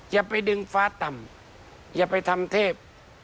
อย่าไปดึงฟ้าต่ำอย่าไปทำเทพ